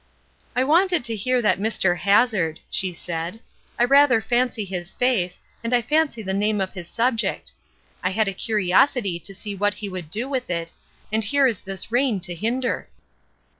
"I wanted to hear that Mr. Hazard," she said; "I rather fancy his face, and I fancy the name of his subject. I had a curiosity to see what he would do with it, and here is this rain to hinder."